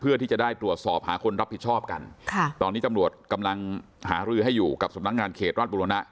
เพื่อที่จะได้ตรวจสอบหาคนรับผิดชอบกันค่ะตอนนี้ตำรวจกำลังหารือให้อยู่กับสำนักงานเขตราชบุรณะ